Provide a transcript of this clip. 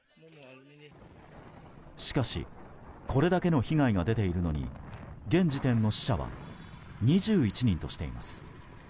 しかしこれだけの被害が出ているのに現時点の死者は２１人としています。